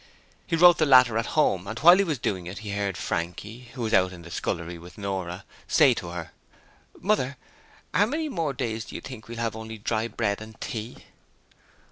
He wrote the latter at home, and while he was doing it he heard Frankie who was out in the scullery with Nora say to her: 'Mother, how many more days to you think we'll have to have only dry bread and tea?'